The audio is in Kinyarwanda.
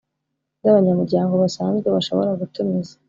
by abanyamuryango basanzwe bashobora gutumiza